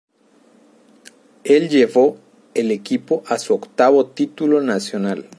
Él llevó el equipo a su octavo título nacional.